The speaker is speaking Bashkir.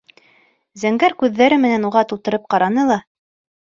Зәңгәр күҙҙәре менән уға тултырып ҡараны ла: